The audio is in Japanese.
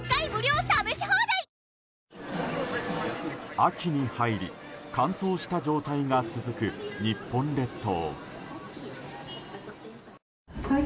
秋に入り、乾燥した状態が続く日本列島。